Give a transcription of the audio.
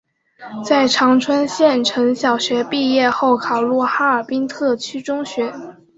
在长春县城小学毕业后考入哈尔滨特区中学。